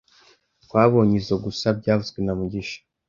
Twabonye izoi gusa byavuzwe na mugisha